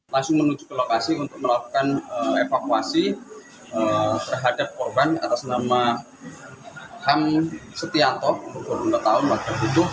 yang a satu berserta unsur unsur yang terkait dari pihak polisian dari oromil beserta jusmas